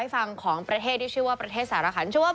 ผมไปหาประเทศสารคัณไม่ได้